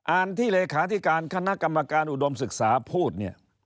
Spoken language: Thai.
ที่เลขาธิการคณะกรรมการอุดมศึกษาพูดเนี่ย